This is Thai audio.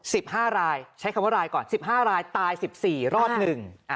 สิบห้ารายใช้คำว่ารายก่อนสิบห้ารายตายสิบสี่รอดหนึ่งอ่า